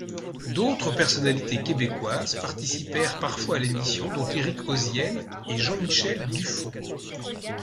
D'autres personnalités québécoises participèrent parfois à l'émission, dont Éric Hoziel et Jean-Michel Dufaux.